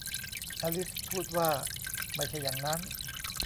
อลิซพูดว่า ไม่ใช่อย่างนั้น